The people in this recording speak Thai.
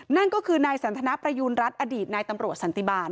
นั่นก็คือนายสันทนประยูณรัฐอดีตนายตำรวจสันติบาล